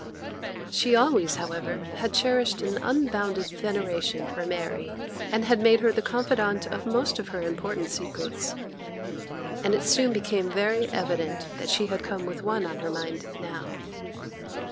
She always, however, had cherished an unbounded veneration for Mary, and had made her the confidante of most of her important secrets; and it soon became very evident that she had come with one on her mind now.